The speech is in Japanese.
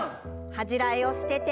恥じらいを捨てて。